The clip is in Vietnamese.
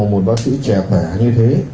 một bác sĩ trẻ khỏe như thế